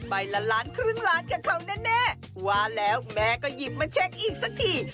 ละล้านครึ่งล้านกับเขาแน่ว่าแล้วแม่ก็หยิบมาเช็คอีกสักที